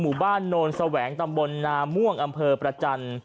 หมู่บ้านโนนแสวงตำบลนาม่วงอำเภอประจันทร์